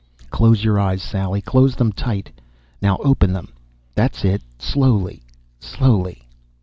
_Close your eyes, Sally, close them tight! Now open them! That's it ... Slowly, slowly